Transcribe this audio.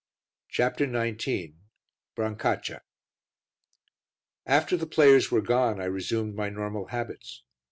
CHAPTER XIX BRANCACCIA After the players were gone I resumed my normal habits.